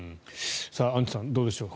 アンジュさんどうでしょう。